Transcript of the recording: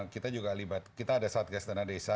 kita juga ada satgas dana desa